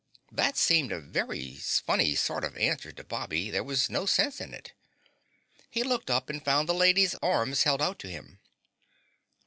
That seemed a very funny sort of answer to Bobby; there was no sense in it. He looked up and found the Lady's arms held out to him.